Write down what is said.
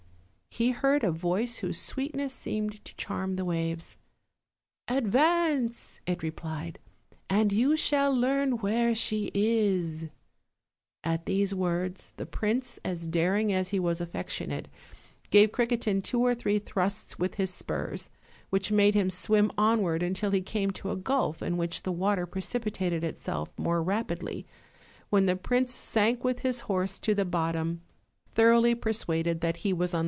he heard a voice whose sweetness seemed to charm the waves: 'Advance!" it replied, "and you shall learn where she is." At these words the prince, as daring as he was affec tionate, gave Criquetin two or three thrusts with his spurs, which made him swim onward until he came to a gulf into which the water precipitated itself more rap idly, when the prince sank with his horse to the bottom, thoroughly persuaded that he was on.